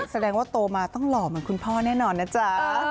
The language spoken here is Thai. แสดงว่าโตมาต้องหล่อเหมือนคุณพ่อแน่นอนนะจ๊ะ